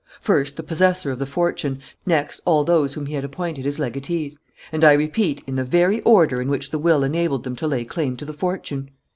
First, the possessor of the fortune; next, all those whom he had appointed his legatees; and, I repeat, in the very order in which the will enabled them to lay claim to the fortune!"